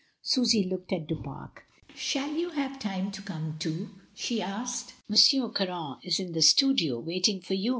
Susy looked at Du Pare "Shall you have time to come, too?" she asked. "Monsieur Caron is in the studio waiting for you.